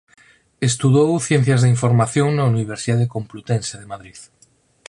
Estudou Ciencias da Información na Universidade Complutense de Madrid.